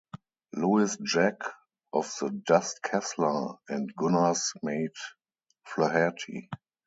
Lewis, Jack of the Dust Kessler, and Gunner's Mate Flaherty.